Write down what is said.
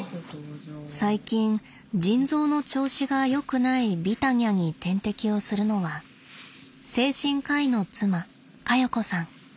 最近腎臓の調子がよくないビタニャに点滴をするのは精神科医の妻カヨ子さん。